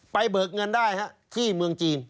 เบิกเงินได้ที่เมืองจีน